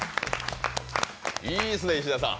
いいっすね、石田さん